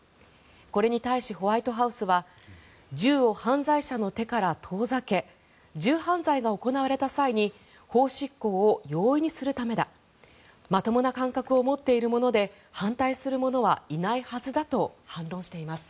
これに対し、ホワイトハウスは銃を犯罪者の手から遠ざけ銃犯罪が行われた際に法執行を容易にするためだまともな感覚を持っている者で反対する者はいないはずだと反論しています。